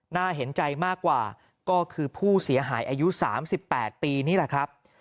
น่าเห็นใจมากกว่าก็คือผู้เสียหายอายุ๓๘ปีนี่แหละครับ